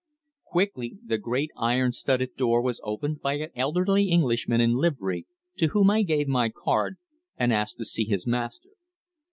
Quickly the great iron studded door was opened by an elderly Englishman in livery, to whom I gave my card, and asked to see his master.